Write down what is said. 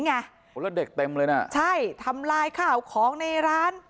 แล้วเด็กเต็มเลยน่ะใช่ทำลายข้าวของในร้าน